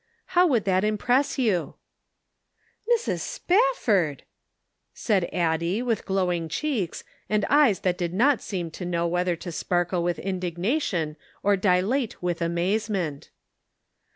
How would that impress you ?"" Mrs. Spafford !" said Addie, with glowing cheeks, and eyes that did not seem to know whether to sparkle with indignation, or dilate with amazement.